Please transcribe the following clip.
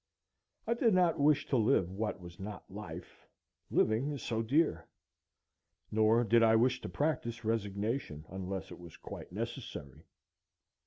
I did not wish to live what was not life, living is so dear; nor did I wish to practise resignation, unless it was quite necessary.